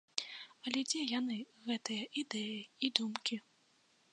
Але дзе яны, гэтыя ідэі і думкі?